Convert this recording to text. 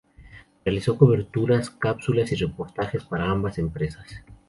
Realizó coberturas, cápsulas y reportajes para ambas empresas.